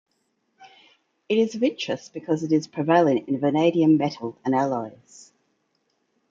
It is of interest because it is prevalent in vanadium metal and alloys.